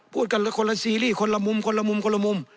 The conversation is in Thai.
พูดกันคนละซีรีส์คนละมุมคนละมุมคนละมุม